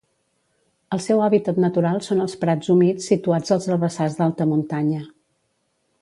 El seu hàbitat natural són els prats humits situats als herbassars d'alta muntanya.